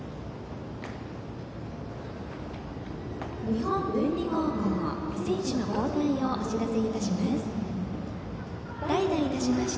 日本文理高校、選手の交代をお知らせいたします。